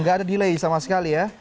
gak ada delay sama sekali ya